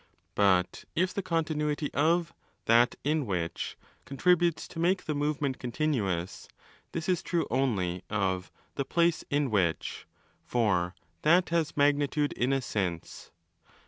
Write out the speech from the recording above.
But if the continuity of 'that in which' contributes to make the move 30 ment continuous, this is true only of 'the place in which'; for that has 'magnitude' in a sense.)